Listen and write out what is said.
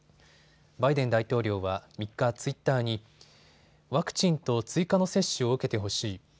バイデン大統領は３日、ツイッターにワクチンと追加の接種を受けてほしい。